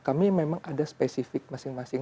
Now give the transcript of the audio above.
kami memang ada spesifik masing masing